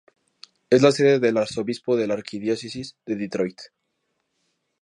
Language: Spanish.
Es la sede del arzobispo de la Arquidiócesis de Detroit.